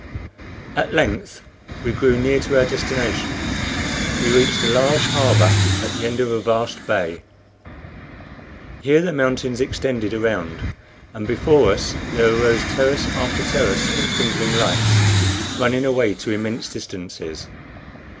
At length we drew near to our destination. We reached a large harbor at the end of a vast bay: here the mountains extended around, and before us there arose terrace after terrace of twinkling lights running away to immense distances.